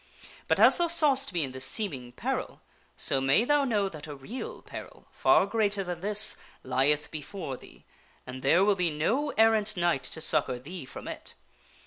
But, as thou sawst me in this seem ing peril, so may thou know that a real peril, far greater than this, lieth before thee, and there will be no errant knight to succor thee from it.